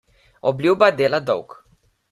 Obljuba dela dolg.